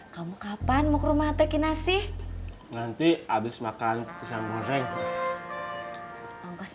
kamu kapan mau ke rumah tek inasiang nanti habis makan semos